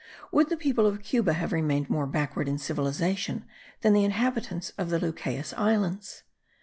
Would the people of Cuba have remained more backward in civilization than the inhabitants of the Lucayes Islands?